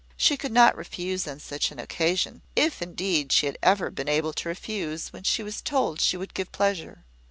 She could not refuse on such an occasion, if indeed she had ever been able to refuse what she was told would give pleasure.